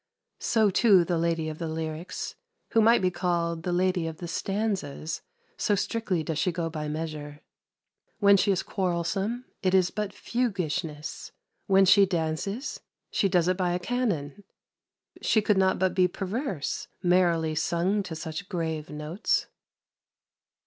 So, too, the lady of the lyrics, who might be called the lady of the stanzas, so strictly does she go by measure. When she is quarrelsome, it is but fuguishness; when she dances, she does it by a canon. She could not but be perverse, merrily sung to such grave notes.